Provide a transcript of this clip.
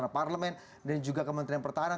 parlemen dan juga kementerian pertahanan